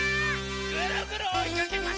ぐるぐるおいかけます！